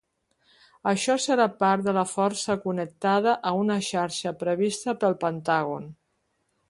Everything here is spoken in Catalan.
Això serà part de la força connectada a una xarxa prevista pel Pentàgon.